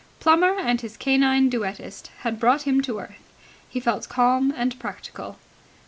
Plummer and his canine duettist had brought him to earth. He felt calm and practical.